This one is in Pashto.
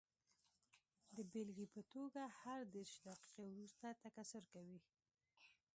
د بېلګې په توګه هر دېرش دقیقې وروسته تکثر کوي.